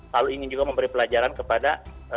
lalu ingin juga memberi pelajaran kepada